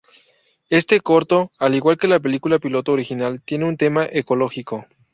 Este corto, al igual que la película piloto original, tiene un tema ecológico.